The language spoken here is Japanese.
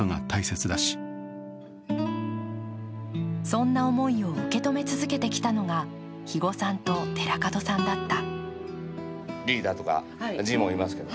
そんな思いを受け止め続けてきたのが肥後さんと寺門さんだった。